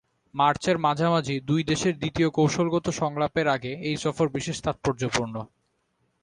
মার্চের মাঝামাঝি দুই দেশের দ্বিতীয় কৌশলগত সংলাপের আগে এই সফর বিশেষ তাৎপর্যপূর্ণ।